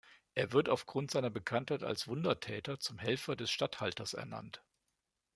Er wird aufgrund seiner Bekanntheit als Wundertäter zum Helfer des Statthalters ernannt.